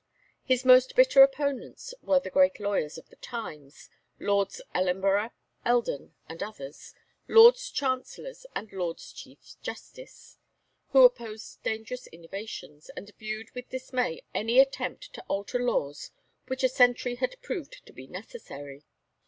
His most bitter opponents were the great lawyers of the times, Lords Ellenborough, Eldon, and others, Lords Chancellors and Lords Chief Justice, who opposed dangerous innovations, and viewed with dismay any attempt "to alter laws which a century had proved to be necessary."